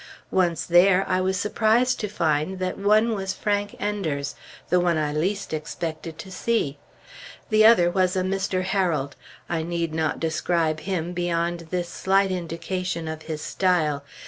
Once there, I was surprised to find that one was Frank Enders, the one I least expected to see. The other was a Mr. Harold. I need not describe him, beyond this slight indication of his style.